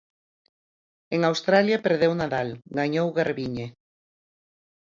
En Australia perdeu Nadal, gañou Garbiñe.